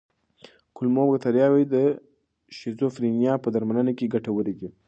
کولمو بکتریاوې د شیزوفرینیا په درملنه کې ګټورې دي.